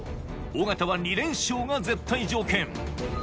尾形は２連勝が絶対条件